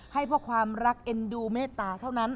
ให้เพราะความรักเอ็นดูเมตตาเท่านั้น